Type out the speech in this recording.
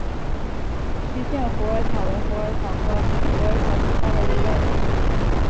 区限虎耳草为虎耳草科虎耳草属下的一个种。